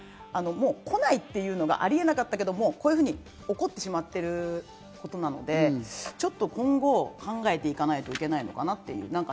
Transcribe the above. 来ないというのがありえなかったけど、こういうふうに起こってしまっていることなので、今後、考えていかないといけないのかなと。